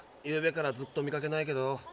ゆうべからずっと見かけないけど。